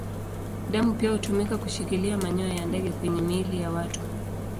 Damu pia hutumika kushikilia manyoya ya ndege kwenye miili ya watu.